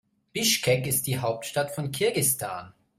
Bischkek ist die Hauptstadt von Kirgisistan.